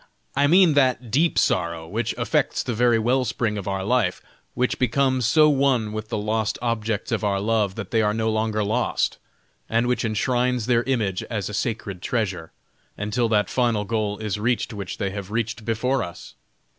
I mean that deep sorrow which affects the very well spring of our life, which becomes so one with the lost objects of our love that they are no longer lost, and which enshrines their image as a sacred treasure, until that final goal is reached which they have reached before us!